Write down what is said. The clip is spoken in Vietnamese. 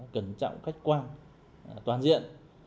cẩn trọng khách quan toàn diện